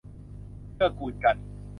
เกื้อกูลกัน